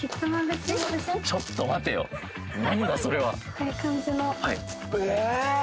こういう感じのえ